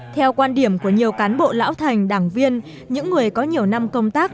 theo quan điểm của nhiều cán bộ lão thành đảng viên những người có nhiều năm công tác